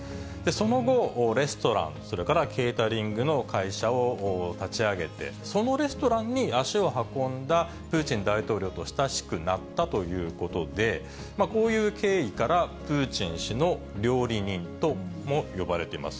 その後、レストラン、それからケータリングの会社を立ち上げて、そのレストランに足を運んだプーチン大統領と親しくなったということで、こういう経緯から、プーチン氏の料理人とも呼ばれています。